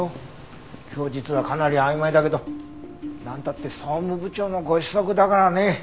供述はかなり曖昧だけどなんたって総務部長のご子息だからね。